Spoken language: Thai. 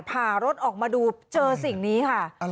ผ่ารถออกมาดูเจอสิ่งนี้ค่ะ